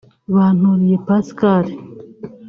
Banturiye Pascal